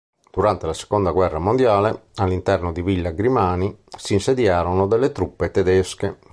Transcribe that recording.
Durante la seconda guerra mondiale, all'interno di villa Grimani, si insediarono delle truppe tedesche.